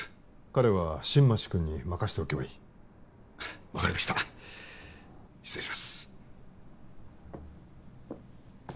彼は新町君に任せておけばいい分かりました失礼します